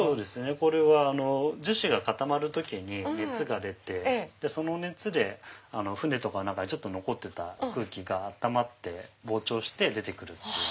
これは樹脂が固まる時に熱が出てその熱で船とかの中に残ってた空気が温まって膨張して出て来る。